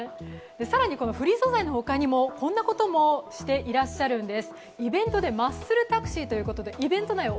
更にフリー素材の他にもこんなこともしているんです。